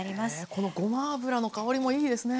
このごま油の香りもいいですね。